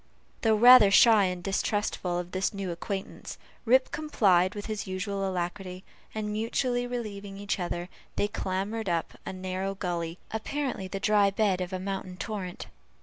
Though rather shy and distrustful of this new acquaintance, Rip complied with his usual alacrity; and mutually relieving each other, they clambered up a narrow gully, apparently the dry bed of a mountain torrent.